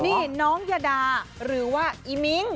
นี่น้องยาดาหรือว่าอีมิ้ง